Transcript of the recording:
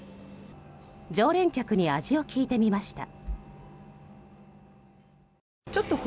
常連客に味を聞いてみました。